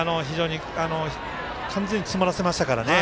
完全に詰まらせましたからね。